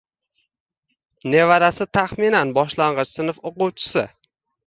Nevarasi taxminan boshlangʻich sinf oʻquvchisi